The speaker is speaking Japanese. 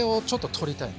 取りたい。